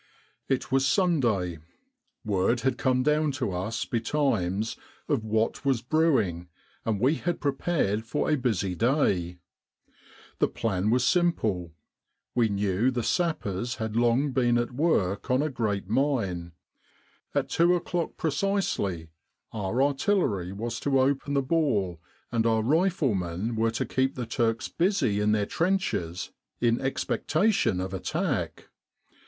"It was Sunday. Word had come down to us betimes of what was brewing, and we had prepared for a busy day. The plan was simple. We knew the sappers had long been at work on a great mine. At two o'clock precisely our artillery was to open the ball, and our riflemen were to keep the Turks busy in their trenches in expectation of attack.